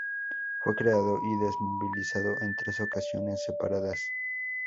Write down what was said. Fue creado y desmovilizado en tres ocasiones separadas.